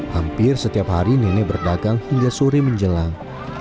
hampir setiap hari nenek berdagang hingga sore menjelang